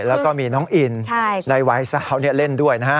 แล้วก็มีน้องอินในวัยสาวเล่นด้วยนะฮะ